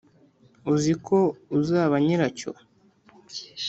Uziko uzaba Nyiracyo.